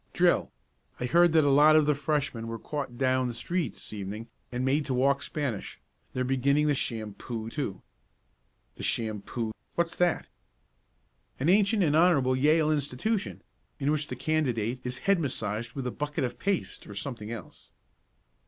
"Drill. I heard that a lot of the Freshmen were caught down the street this evening and made to walk Spanish. They're beginning the shampoo, too." "The shampoo what's that?" "An ancient and honorable Yale institution, in which the candidate is head massaged with a bucket of paste or something else."